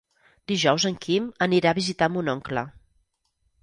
Dijous en Quim anirà a visitar mon oncle.